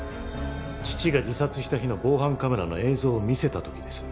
父が自殺した日の防犯カメラの映像を見せた時です。